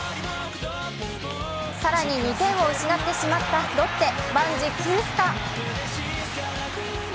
更に、２点を失ってしまったロッテ万事休すか。